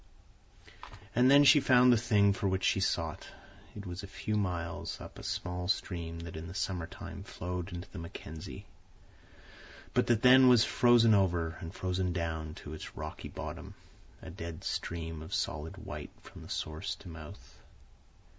And then she found the thing for which she sought. It was a few miles up a small stream that in the summer time flowed into the Mackenzie, but that then was frozen over and frozen down to its rocky bottom—a dead stream of solid white from source to mouth.